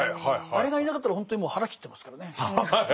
あれがいなかったらほんとにもう腹切ってますからね。